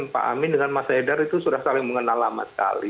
pak amin dengan mas haidar itu sudah saling mengenal lama sekali